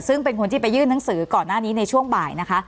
ซึ่งเป็นคนที่ไปยื่นหนังสือก่อนหน้านี้ในช่วงบ่ายนะคะ